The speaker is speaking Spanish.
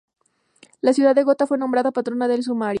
La ciudad de Gotha fue nombrada patrona del submarino.